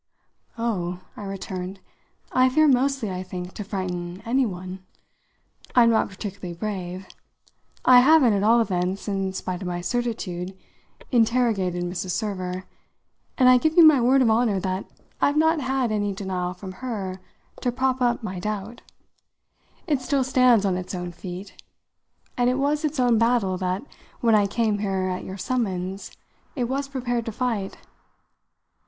"Oh," I returned, "I fear, mostly, I think, to frighten any one. I'm not particularly brave. I haven't, at all events, in spite of my certitude, interrogated Mrs. Server, and I give you my word of honour that I've not had any denial from her to prop up my doubt. It still stands on its own feet, and it was its own battle that, when I came here at your summons, it was prepared to fight.